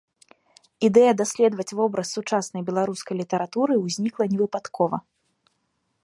Ідэя даследаваць вобраз сучаснай беларускай літаратуры ўзнікла невыпадкова.